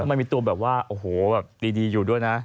มันมีตัวแบบว่าโอ้โหแบบดีอยู่ด้วยนะ